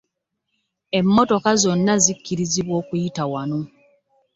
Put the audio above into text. Emmotoka zonna zikkirizibwa okuyita wano.